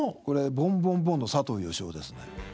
これボンボンボンの佐藤善雄ですね。